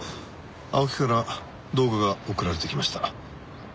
青木から動画が送られてきました。